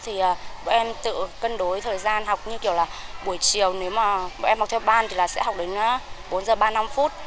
thì bọn em tự cân đối thời gian học như kiểu là buổi chiều nếu mà bọn em học theo ban thì là sẽ học đến bốn giờ ba mươi năm phút